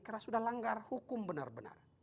karena sudah langgar hukum benar benar